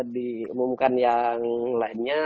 diumumkan yang lainnya